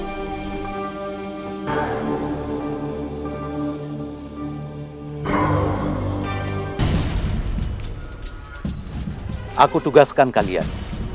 saya tugaskan kalian